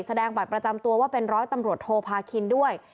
แสดงบัตรประจำตัวว่าเป็นร้อยตำรวจโทพาคินด้วย